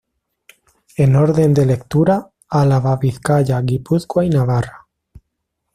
En orden de lectura: Álava, Vizcaya, Guipúzcoa y Navarra.